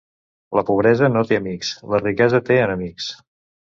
La pobresa no té amics; la riquesa té enemics.